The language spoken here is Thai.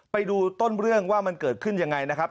ไปดูต้นเรื่องว่ามันเกิดขึ้นยังไงนะครับ